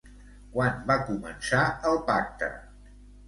Quan va començar el pacte?